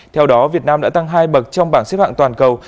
theo đó việt nam đã tăng hai bậc trong bảng xếp hạng toàn cầu